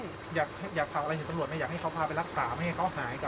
อยากฝากอะไรถึงตำรวจไม่อยากให้เขาพาไปรักษาไม่ให้เขาหายกัน